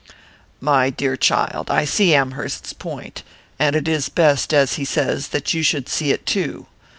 "My dear child, I see Amherst's point, and it is best, as he says, that you should see it too.